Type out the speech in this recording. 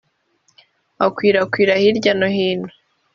akwirakwira hirya no hino